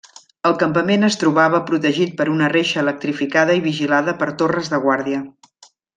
El campament es trobava protegit per una reixa electrificada i vigilada per torres de guàrdia.